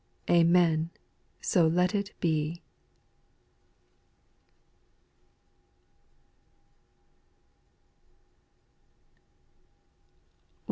Amen ! so let it be.